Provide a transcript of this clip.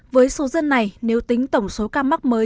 với số dân này nếu tính tổng số ca mắc mới